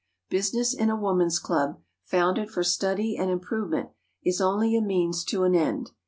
Business in a woman's club, founded for study and improvement, is only a means to an end.